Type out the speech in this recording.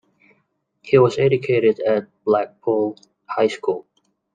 He was educated at Blackpool High School.